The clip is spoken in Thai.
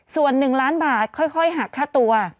ส่วน๑ล้านบาทค่อยหักค่าตัว